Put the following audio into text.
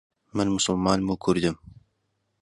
من موسڵمانم و کوردم.